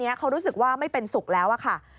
นี่ค่ะคุณผู้ชมพอเราคุยกับเพื่อนบ้านเสร็จแล้วนะน้า